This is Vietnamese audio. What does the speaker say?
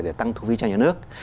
để tăng thu vi cho nhà nước